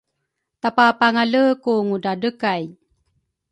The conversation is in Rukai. tapapangale ku Ngudradrekay